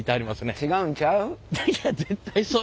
違うんちゃう？